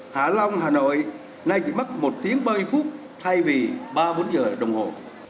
hạ long hà nội nay chỉ mất một tiếng ba mươi phút thay vì ba bốn giờ đồng hồ